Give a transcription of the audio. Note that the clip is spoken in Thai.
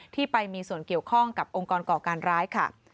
ที่ไปมีส่วนเกี่ยวข้องกับองค์กรก่อการร้ายค่ะ